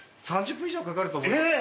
３０分以上かかると思います。